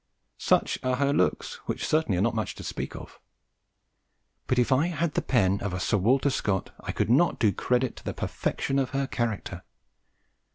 Such are her looks, which certainly are not much to speak of; but if I had the pen of a Sir Walter Scott I could not do credit to the perfection of her character.